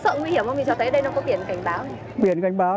mình cho thấy ở đây nó có biển cảnh báo